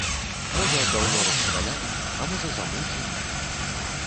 Можа, даўно расстралялі, а можа, замучылі?